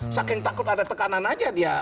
saking takut ada tekanan saja dia menutup percobaan